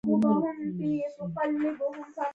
منصفه پلاوي جوړه محکمه هم موجوده وه.